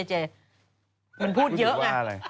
มันพูดเยอะไง